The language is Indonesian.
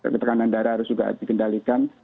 ketekanan darah harus juga dikendalikan